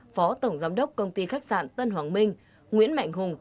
phó tổng giám đốc công ty khách sạn tân hoàng minh nguyễn mạnh hùng